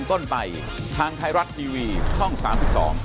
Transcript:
ครับสวัสดีครับ